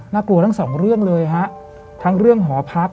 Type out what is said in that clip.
บอกว่าแบบ